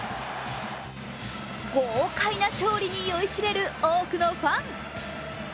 ゴー快な勝利に酔いしれる多くのファン。